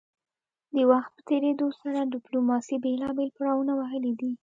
د وخت په تیریدو سره ډیپلوماسي بیلابیل پړاونه وهلي دي